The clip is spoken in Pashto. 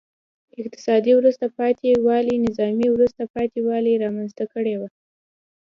اقتصادي وروسته پاتې والي نظامي وروسته پاتې والی رامنځته کړی و.